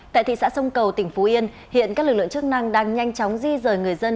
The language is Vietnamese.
tại thị xã sông cầu tỉnh phú yên hiện các lực lượng chức năng đang nhanh chóng di rời người dân